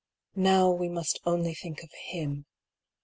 "KTow we must only think of him.